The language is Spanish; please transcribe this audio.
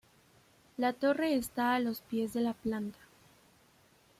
La torre está a los pies de la planta.